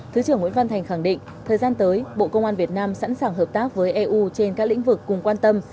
thứ trưởng nguyễn văn thành khẳng định thời gian tới bộ công an việt nam sẵn sàng hợp tác với eu trên các lĩnh vực cùng quan tâm